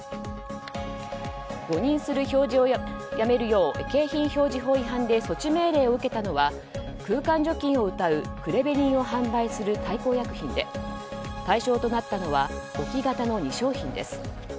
誤認する表示をやめるよう景品表示法違反で措置命令を受けたのは空間除菌をうたうクレベリンを販売する大幸薬品で対象となったのは置き型の２商品です。